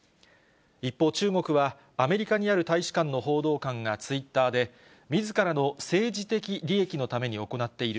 一方、中国はアメリカにある大使館の報道官がツイッターで、みずからの政治的利益のために行っている。